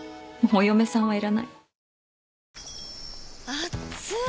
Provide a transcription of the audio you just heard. あっつい！